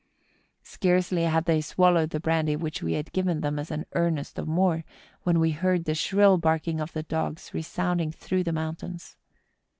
Scarcely had they swal¬ lowed the brandy which we had given them as an earnest of more, wdien we heard the shrill barking of the dogs resounding through the mountains.